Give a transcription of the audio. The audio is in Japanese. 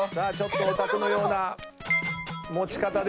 オタクのような持ち方で。